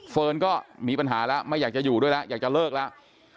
เฟิร์นก็มีปัญหาแล้วไม่อยากจะอยู่ด้วยแล้วอยากจะเลิกแล้ว